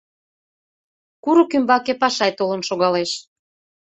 Курык ӱмбаке Пашай толын шогалеш.